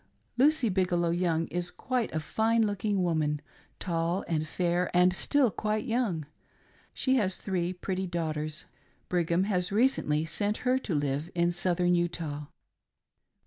] Lucy Bigelow Young is quite a fine looking woman — ^tall and fair, and still quite young. She has three pretty daughters. Brigham has recently sent her to live in southern Utah.